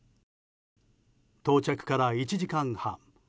到着から１時間半。